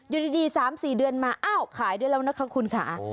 อยู่ดี๓๔เดือนมาอ้าวขายได้แล้วนะคะคุณค่ะ